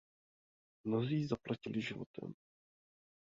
Mnozí zaplatili životem.